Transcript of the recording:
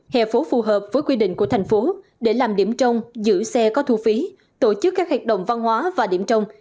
hè phố phù hợp với quy định của thành phố để làm điểm trong giữ xe có thu phí tổ chức các hoạt động văn hóa và điểm trông